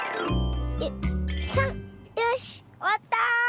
よしおわった！